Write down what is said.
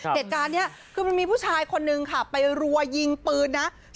เหตุการณ์นี้คือมันมีผู้ชายคนนึงค่ะไปรัวยิงปืนนะ